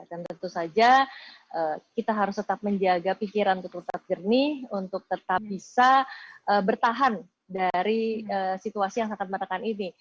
tentu saja kita harus tetap menjaga pikiran ketupat jernih untuk tetap bisa bertahan dari situasi yang sangat menekan ini